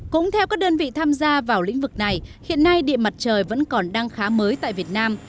cũng theo các đơn vị tham gia vào lĩnh vực này hiện nay điện mặt trời vẫn còn đang khá mới tại việt nam